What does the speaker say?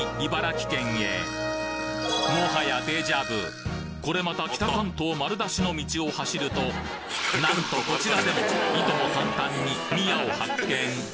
もはやデジャブこれまた北関東丸出しの道を走るとなんとこちらでもいとも簡単に宮を発見！